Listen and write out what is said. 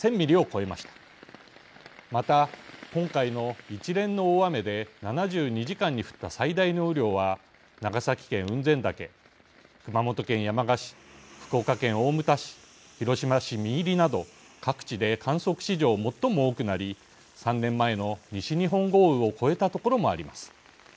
また、今回の一連の大雨で７２時間に降った最大の雨量は長崎県雲仙岳、熊本県山鹿市福岡県大牟田市、広島市三入など各地で観測史上最も多くなり３年前の西日本豪雨を超えた所もあります。